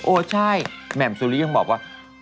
ใช่แหม่มสุริยังบอกว่า